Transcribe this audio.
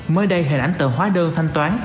mới đây hình ảnh tờ hóa đơn thanh toán